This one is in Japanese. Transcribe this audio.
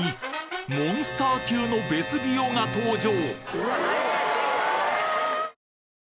モンスター級のベスビオが登場！